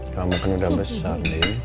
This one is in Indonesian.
kamu kan udah besar